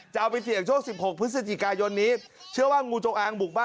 เอาไปเสี่ยงโชค๑๖พฤศจิกายนนี้เชื่อว่างูจงอางบุกบ้าน